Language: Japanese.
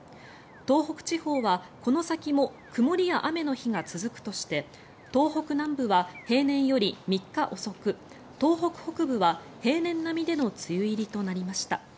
東北地方はこの先も曇りや雨の日が続くとして東北南部は平年より３日遅く東北北部は平年並みでの梅雨入りとなりました。